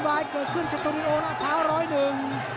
ตายเกิดขึ้นชะตุริโอราคภาวร้อยหนึ่ง